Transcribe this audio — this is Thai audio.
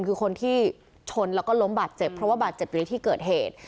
คือคนที่ชนแล้วก็ล้มบาดเจ็บเพราะว่าบาดเจ็บอยู่ในที่เกิดเหตุ